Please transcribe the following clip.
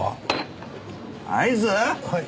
はい。